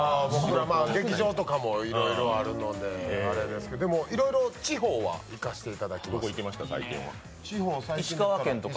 劇場とかもいろいろあるので、いろいろ地方行かせていただきました。